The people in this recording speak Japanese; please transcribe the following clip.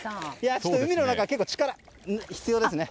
海の中、結構力が必要ですね。